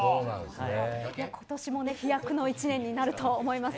今年も飛躍の１年になると思います。